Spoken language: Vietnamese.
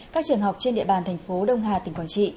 các trường học trên địa bàn thành phố đông hà tỉnh quảng trị